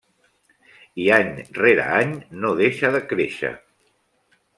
I any rere any no deixa de créixer.